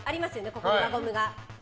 ここに輪ゴムが。